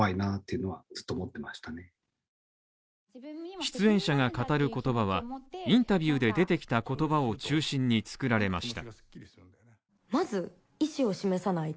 出演者が語る言葉はインタビューで出てきた言葉を中心に作られました